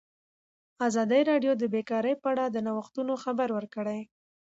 ازادي راډیو د بیکاري په اړه د نوښتونو خبر ورکړی.